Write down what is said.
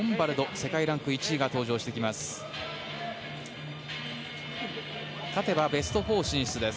世界ランク１位が登場してきます。